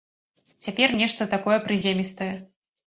Цяпер нешта такое прыземістае.